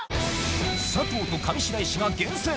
佐藤と上白石が厳選！